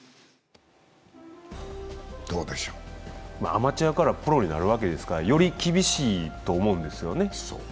アマチュアからプロになるわけですから、より厳しいと思うんですよね。